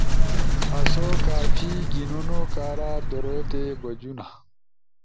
آسو کافی گھینونو کارا درو تی بجونا۔